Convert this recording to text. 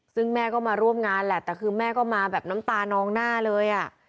ซึ่งแม่ก็มาร่วมงานแหละแต่คือแม่ก็มาแบบน้ำตานองหน้าเลยอ่ะ